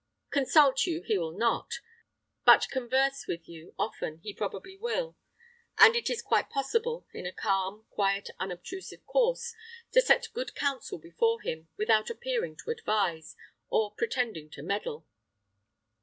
Consult you he will not; but converse with you often, he probably will; and it is quite possible in a calm, quiet, unobtrusive course, to set good counsel before him, without appearing to advise, or pretending to meddle."